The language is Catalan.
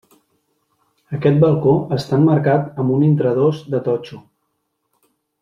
Aquest balcó està emmarcat amb un intradós de totxo.